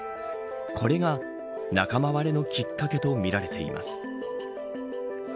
これが仲間割れのきっかけとみられています。